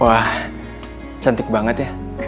wah cantik banget ya